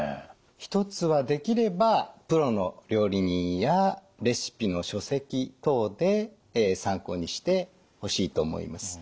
一つはできればプロの料理人やレシピの書籍等で参考にしてほしいと思います。